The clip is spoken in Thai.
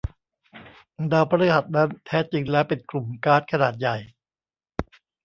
ดาวพฤหัสนั้น แท้จริงแล้วเป็นกลุ่มก๊าซขนาดใหญ่